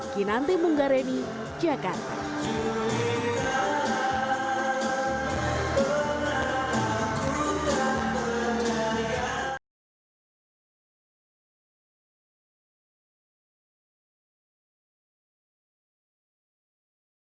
kinanti munggaremi jakarta